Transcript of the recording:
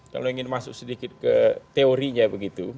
kalau ingin masuk sedikit ke teorinya begitu